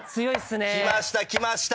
きましたきました。